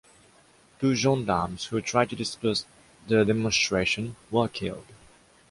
Two gendarmes who tried to disperse the demonstration were killed.